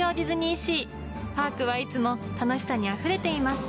パークはいつも楽しさにあふれています。